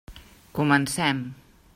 Comencem.